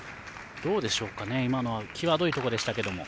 どうでしょうかね、今のは際どいところでしたけども。